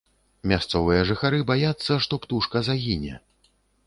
Мясцовыя жыхары баяцца, што птушка загіне.